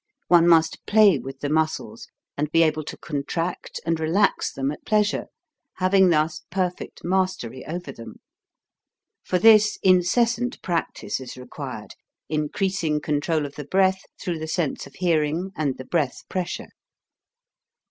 One must play with the muscles, and be able to contract and relax them 66 HOW TO SING at pleasure, having thus perfect mastery over them. For this incessant practice is required, increasing control of the breath through the sense of hearing and the breath pressure.